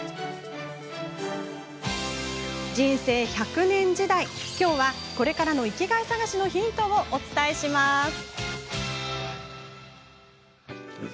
人生１００年時代、きょうはこれからの生きがい探しのヒントをお伝えします。